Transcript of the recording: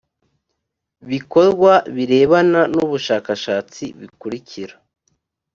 bikorwa birebana n ubushakashatsi bikurikira